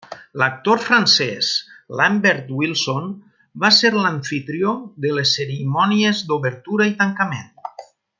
L'actor francès Lambert Wilson va ser l'amfitrió de les cerimònies d'obertura i tancament.